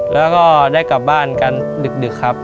แล้วก็ได้กลับบ้านกันดึกครับ